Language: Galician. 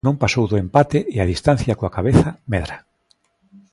Non pasou do empate e a distancia coa cabeza medra.